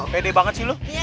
pede banget sih lo